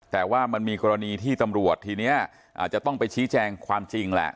แต่ว่ามันมีกรณีที่ตำรวจทีนี้อาจจะต้องไปชี้แจงความจริงแหละ